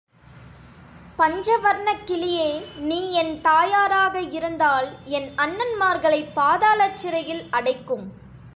பஞ்சவர்ணக் கிளியே, நீ என் தாயாராக இருந்தால் என் அண்ணன்மார்களைப் பாதாளச் சிறையில் அடைக்கும்